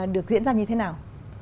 được diễn ra như thế nào